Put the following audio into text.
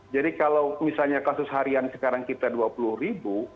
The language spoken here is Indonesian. jadi kalau misalnya kasus harian sekarang kita dua puluh ribu